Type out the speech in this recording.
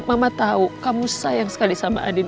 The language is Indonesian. mama tahu kamu sayang sekali sama adil